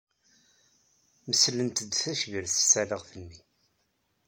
Meslent-d tacbirt s talaɣt-nni.